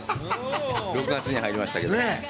６月に入りましたけれども。